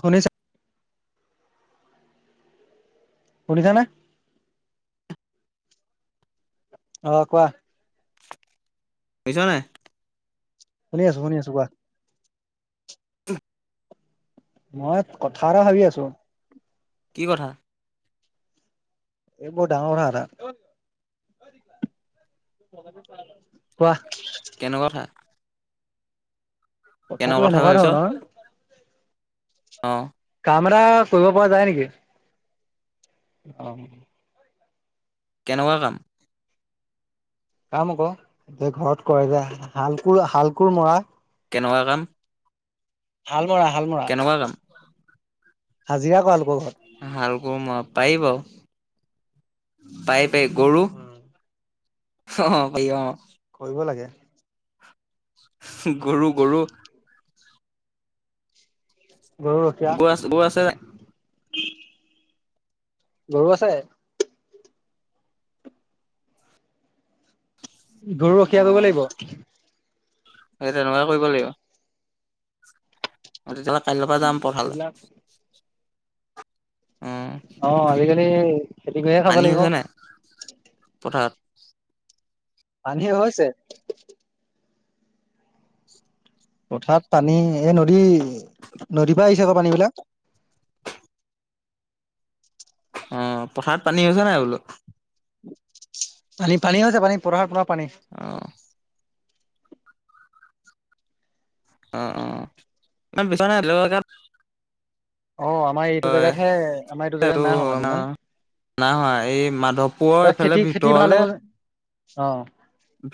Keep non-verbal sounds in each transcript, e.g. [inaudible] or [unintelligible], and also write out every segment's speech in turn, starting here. শুনিছা? শুনিছা নে? অ' কোৱা। শুনিছ নে? শুনি আছোঁ - শুনি আছোঁ। কোৱা। মই কথা এটা ভাবি আছোঁ। কি কথা? এই বৰ ডাঙৰ কথা এটা। কোৱা। কেনেকুৱা কথা কেনেকুৱা কথাটো কথা এনেকুৱা ভাবিছ ধৰণৰ অ'। কাম এটা কৰিব পৰা যায় নেকি? অ'। কেনেকুৱা কাম? কাম আক', যে ঘৰত কৰে যে, হাল-কোৰ- হাল-কোৰ মৰা। কেনেকুৱা কাম? হাল মৰা - হাল মৰা। কেনেকুৱা কাম হাজিৰা কৰা লোকৰ ঘৰত। গৰু-মহ পাৰিব। পাৰি - পাৰি। গৰু অ' ভাই অ'। কৰিব লাগে। গৰু - গৰু। গৰু ৰখীয়া গোৱা- গোৱা আছে গৰু আছে। গৰু অ ৰখীয়া কৰিব লাগিব। সেই তেনেকুৱা কৰিব লাগিব। অ' তেতিয়াহ'লে কাইলৈৰ পৰা যাম পথাৰলে। এইবিলাক অ' আজিকালি খেতি কৰিহে খাব পানী হৈছে নাই লাগিব। পথাৰত পানী হৈছে। পথাৰত পানী, এই নদী- নদীৰ পৰা আহিছে আকৌ পানীবিলাক। অ' পথাৰত পানী হৈছে নাই বোলো? পানী- পানী হৈছে। পানী পথাৰত প অ'। অ' - অ'। ন বিছনা [unintelligible] অ' আমাৰ এইটো জেগাত হে- আমাৰ এইটো জেগাত নাই হোৱা ইমান। নাই হোৱা। এই মাধৱপুৰৰ এইবাৰ এইফালে খেতি খেতি ভাল ভিতৰলে হ'ব যে অ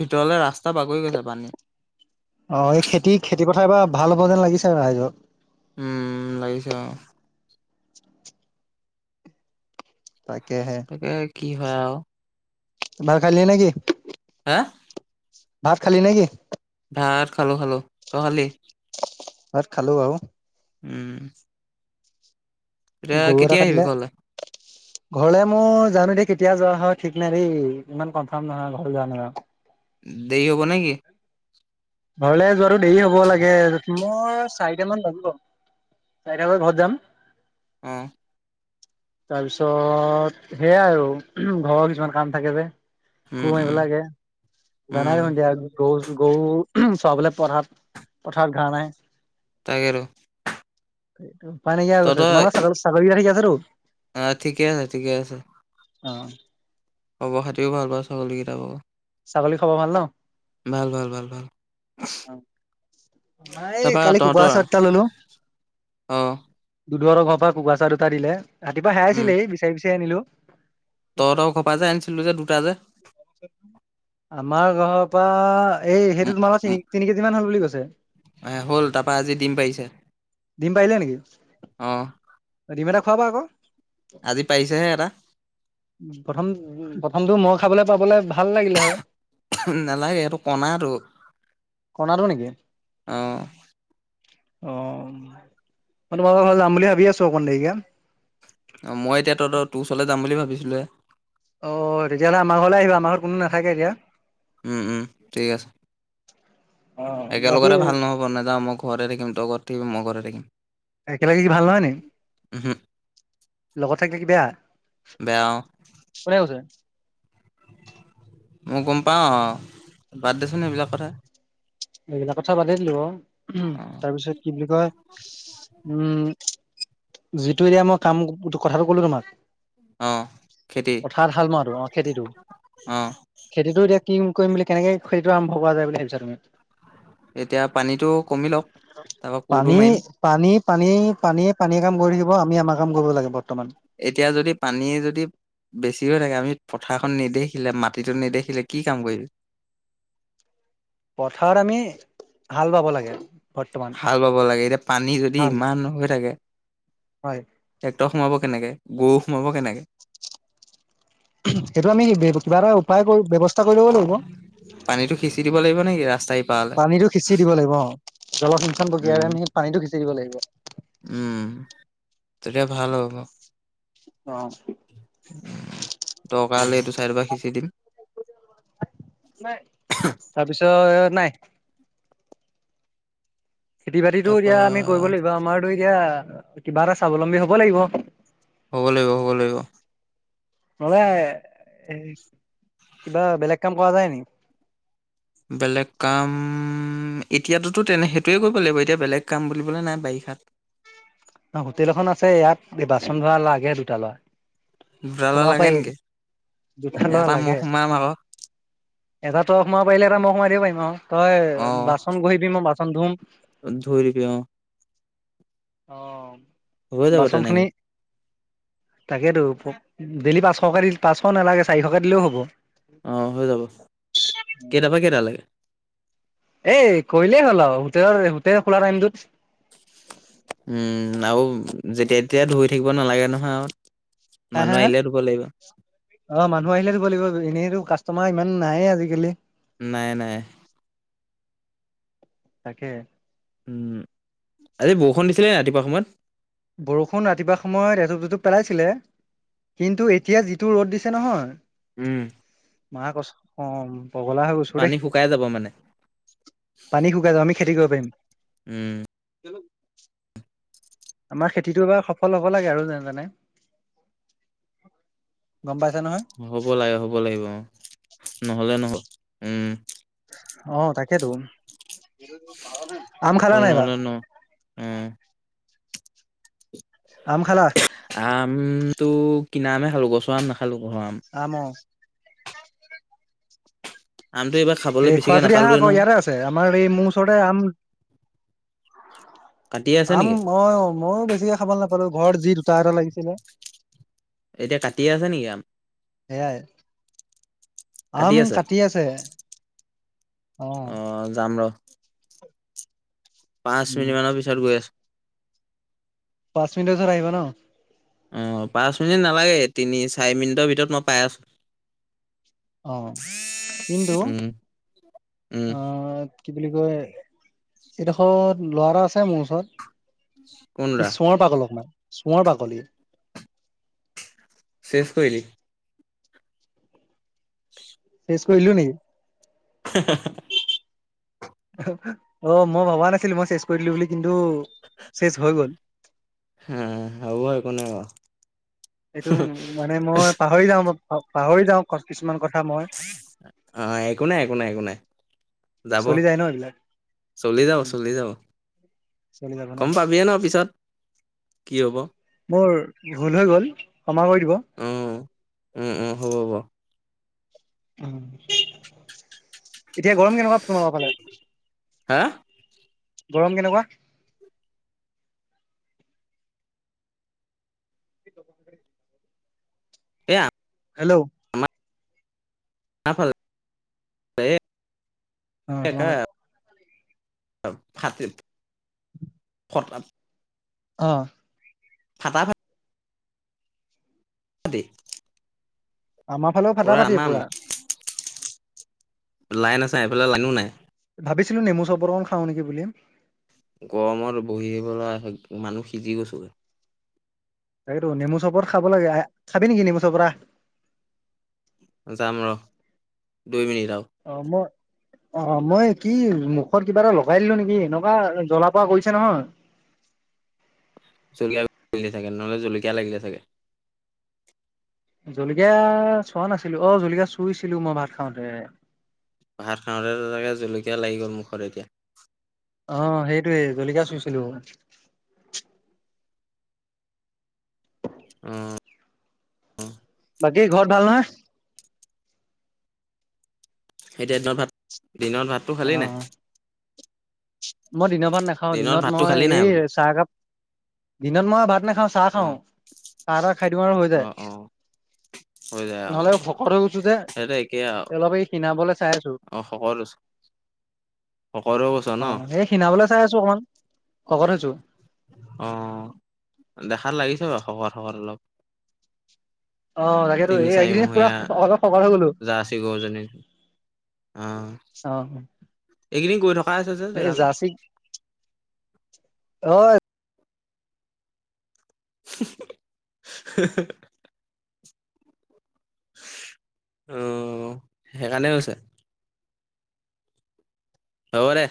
ভিতৰলে ৰাস্তা বাগৰি গৈছে পানী। অ' এই খেতি- খেতি পথাৰ এইবাৰ ভাল হ'ব যেন লাগিছে ৰাইজৰ। উম' লাগিছে অ'। তাকেহে। তাকে কি হয় আৰু। ভাত খালিয়ে নেকি? হেঁ? ভাত খালি নেকি? ভাত খালোঁ - খালোঁ। তই খালি? ভাত খালোঁ বাৰু। উম। এতিয়া কেতিয়া আহিবি ঘৰলৈ? ঘৰলৈ মোৰ জানো দে কেতিয়া যোৱা হয়, ঠিক নাই দেই। ইমান কনফাৰ্ম নহয় ঘৰ যোৱা [unintelligible] দেৰি হ'ব নেকি? ঘৰলে যোৱাটো দেৰি হ'ব লাগে মোৰ চাৰিটামান বাজিব চাৰিটা বজাত ঘৰত যাম। অহ তাৰপিছত সেইয়াই আৰু ঘৰৰ কিছুমান কাম থাকে যে। উম কুৰ মাৰিব উম লাগে উম জানাই চোন দিয়া গৰু গৰু। চোৱাবলে পথাৰত, পথাৰত ঘৰা নাই তাকে ত সেইটো উপাই নাইকিয়া হৈ গৈছে। তোমালোক ছাগলীকেইটা ঠিক আছে তো? অঁ থিকে আছে থিকে আছে। অ খবৰ খাতীও ভাল পাওঁ ছাগলী কেইতা ভাগ। ছাগলী খাব ভাল ন ভাল ভাল ভাল ভাল অ নাই তাৰপা কালি কুকুৰা তহঁতৰ চাৰ্ট এটা ললো। অ দুদুহতৰ ঘৰৰ পৰা কুকুৰা চাৰ দুটা দিলে ৰাতিপুৱা হেৰাই উম ছিলেই বিচাৰি বিচাৰি আনিলো। তহঁতৰ ঘৰৰ পৰা যে আনিছিলো যে দুটা যে। আমাৰ ঘৰৰ পৰা এই উম সেইটো তোমালোকৰ উম তিনি তিনি কেজি মান হ'ল বুলি কৈছে। হ'ল তাৰপা আজি দিম পাৰিছে। ডিম পাৰিলে নেকি? আহ ডিম এটা খুৱাবা আকৌ। এটা প্ৰথম প্ৰথমটো মই খাবলৈ। বাবলে ভাল লাগিলে হয়। নালাগে সেটো কনাটো কণাটো নেকি? অ মই তোমালোকৰ ঘৰলে যাম বুলি ভাবি আছো অকণমান দেৰিকে অ মই এতিয়া ত'ত তোৰ ওচলৈ যাম বুলি ভাবিছিলো হে। অ তেতিয়াহ'লে আমাৰ ঘৰলৈ আহিবা আমাৰ ঘৰত কোনো নাথাকে এতিয়া উম উম ঠিক আছে। অ বাকী একেলগতে ভাল নহ'ব নযাওঁ মই ঘৰে থাকিম তই ঘৰত থাকিবি মই ঘৰে থাকিম একেলগে কি ভাল নহয় নেকি? উহু লগত থাকিলে কি বেয়া। বেয়া অ কোনে কৈছে? মই গম পাও বাৰ্থ দেচোন সেইবিলাক কথা এইবিলাক কথা বাদেই দিলো অ অ তাৰপিছত কি বুলি কয় উম' যিটো এতিয়া মই কাম কথাটো কলো তোমাক। অ খেতি পথাৰত হাল মোৱাটো অ খেতিটো অ খেতিটো এতিয়া কি কৰিম বুলি কেনেকে খেতিটো আৰম্ভ কৰা যায় বুলি ভাবিছা তুমি? এতিয়া পানীটো কমি লওক তাৰপা পানী কোৰটো মাৰিম পানী পানী পানীয়ে পানীয়ে কাম কৰি থাকিব আমি আমাৰ কাম কৰিব লাগিব এতিয়া যদি পানী যদি বেছি হৈ থাকে আমি পথাৰখন নেদেখিলে মাটিতটো নেদেখিলে কি কাম কৰিবি? পথাৰত আমি হাল বাব লাগে। বৰ্তমান হাল বাব লাগে এতিয়া পানী যদি হাল ইমান হৈ থাকে। হয়। ট্ৰেক্টৰ সোমাব কেনেকে গৰু সোমাব কেনেকে। সেইটো আমি কিবা এটা উপায় ব্যৱস্থা কৰি লব লাগিব পানীতটো সিঁচি দিব লাগিব নেকি ৰাস্তাই ইপাৰলে পানীটো সিঁচি দিব লাগিব অ। জলসিঞ্চন উম প্ৰক্ৰিয়াৰে আমি পানীটো সিছি দিব লাগিব। উম তেতিয়া ভাল হ'ব। তকালে এইটো চাইড পৰা সিঁচি দিম। নাই তাৰপিছত নাই। খেতি বাতিটো তাৰপা এতিয়া আমি কৰিব লাগিব আমাৰো এতিয়া কিবা এটা স্বাৱলম্বী হব লাগিব? হ'ব লাগিব হ'ব লাগিব? নহলে এ কিবা বেলেগ কাম কৰা যায় নি। বেলেগ কাম এতিয়াততো তেনে সেইটোৱে কৰিব লাগিব এতিয়া বেলেগ কাম বুলিবলে নাই বাৰিষাত। [unintelligible] ন হোটেল এখন আছে ইয়াত বাচন ধৰা লাগে দুটা ল'ৰা। দুডালৰ সোমাব লাগে পাৰি নেকি দোতা লৰা এটা মই লাগে। সোমাম আকৌ এটা তই সোমাব পাৰিলে এটা মই সোমাই দিব পাৰিম অ তই বাচন বহিবি মই বাচন ধুম। ধোই থাকিবা অ। অ। হৈ যাব বাচন খিনি তেনেকে। তাকেতো ডেইলি পাঁচশকে দি পাঁচশ নালাগে চাৰিশকে দিলেও হ'ব। আহ হৈ যাব কেইটাৰ পৰা কেইটা লে। এই কলেই হ'ল আৰু হোটেলৰ হোটেল খোলা টাইমটোত। উম আৰু যেতিয়া তেতিয়া ধুই থাকিব নালাগে নহয়। হা হা, মানুহ হা আহিলে ধুব লাগিব অ মানুহ আহিলে দিব লাগিব এনেইতো কাষ্টমাৰ ইমান। উ নাইয়ে আজিকালি? নাই নাই। তাকে। উম আজি বৰষুণ দিছিলে ৰাতিপুৱা সময়ত। বৰষুণ ৰাতিপুৱা সময়ত এটুপ টুপ পেলাইছিলে। কিন্তু এতিয়া যিটো ৰ'দ দিছে নহয়। উম মাহ কছ অ পগলা হৈ গৈছো দেই পানী শুকাই যাব মানে পানী শুকাই পানি। খেতি কৰিব পাৰিম। উম [unintelligible] আমাৰ খেতিতটো এবাৰ সফল হব লাগে আৰু যেনে জানে গম পাই। হ'ব লাগে হ'ব লাগিব, অ নহলে নহ উম। অ তাকেতো। আম খালা সফল নাই বা। নহ'লে ন উম আম খালা। আম টো কিনা আমে খালো গছৰ আম নাখালো ঘৰ আম। আমটো এইবাৰ খাবলৈ এই খোৱা বেছিকে যৰি আহা নাপালোৱে আকৌ নহয় ইয়াৰে আছে আমাৰ এই মোৰ ওচৰতে আম। কাটিয়ে আছে আম নেকি অ মইো বেছিকে খাব নাপালো ঘৰত যি দুটা এটা লাগিছিলে। এতিয়া কাটি আছে নেকি আম। সেয়াই আম কাটি আছে। অ আহ জাম ৰ। পাঁচ উম মিনিট মানৰ পিছত গৈ আছো। পাঁচ মিনিটৰ পিছৰত আহিব ন। অ পাঁচ মিনিট নালাগে তিনি চাৰি মিনিটৰ ভিতৰত মই পাই আছোঁ। অহ কিন্ত উম আ। কি বুলি কয় এডোখৰত লৰা আছে মোৰ ওচৰত। কোন ই দা চোঁৱৰ পাগলক, মাই চোঁৱৰ পাগলি। শেষ কৰিলি। [unintelligible] মিছ কৰিলি নেকী। হ অ মই ভবা নাছিলো মই চেচ কৰি দিলো বুলি কিন্তু। চেচ হৈ গ'ল হ হব একো নাই বাও এইটো উ মানে মই পাহৰি যাওঁ পাহৰি যাওঁ কিছুমান কথা। মই অ একো নাই একো নাই একো নাই যাব। চলি যায় ন এইবিলাক চলি যাব উম চলি যাব চলি যাব গম পাবিয়ে ন পিছত কি হব। মোৰ ভুল হৈ গ'ল ক্ষমা কৰি দিব অ উম উম হ'ব হ'ব উ এতিয়া গৰম কেনেকুৱা তোমালোকৰ ফালে হা। গৰম কেনেকুৱা [unintelligible] এই হেল্ল' আমাৰ ফালে এই অ। একে [unintelligible] অ। ফাটা ফা [unintelligible] আমাৰ ফালেও ফাঁটা ফাটিয়ে পুৰা লাইন আছে এইফালে লাইনো নাই। ভাবিছিলো নেমু চৰবত অকন খাওঁ নেকি বুলি গৰমত বহিবলৈ মানুহ, সিজি গৈচোগৈ। তাকেটো নেমু চৰবত খাব লাগে, আহ খাবি নেকি নেমু চৰবত অহ। যাম ৰ, দুই মিনিট আও। আহ অ মই অ মই কি মুখত কিবা এটা লগাই দিলো নেকি এনেকুৱা জ্বলা পোৰা কৰিছে নহয়। জলকীয়া লাগিলে চাগে নহ'লে জলকীয়া লাগিলে চাগে। জলকীয়া চোৱা নাছিলো অ জলকীয়া চুইছিলো মই ভাত খাওঁতে ভাত খাওঁতে তোৰ চাগে জলকীয়া লাগি গ'ল মুখত এতিয়া অ সেইটোয়ে জলিকীয়া চুইছিলো। অ বাকী ঘৰত ভাল নহয়। এতিয়া দিনত ভাত দিনত ভাতটো অ খালি নে মই দিনৰ ভাত নাখাও দিনত মই নাই এই বোলো চাহকাপ দিনত মই ভাত নাখাওঁ চাহ অ খাওঁ চাহ তাহ খাই দিওঁ আৰু হৈ অ অ যায় [unintelligible] হৈ যায় নহ'লে আহ শকত হৈ গৈছো যে সেই একে আও অলপ এই খীণাবলৈ চাই আছো অ শকত শকত হয় গৈছ ন অ সেই ক্ষীনাবলৈ চাই আছো অকমান শকত হৈছো অ দেখাত লাগিছে বাৰু শকত শকত অলপ অ তাকেইতো তিনি এই চাৰি এইকেইদিন পুৰা মহীয়া অলপ শকত হৈ গলো। জাৰ্চি গৰুজনী অ আহ। এইকেইদিন কৰি থকাই হৈছে যে জেগালে। অ [unintelligible] অ সেইকাৰণে হৈছে। হ'ব দে